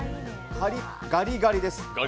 ガリガリです。